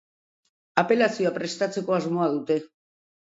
Apelazioa prestatzeko asmoa dute.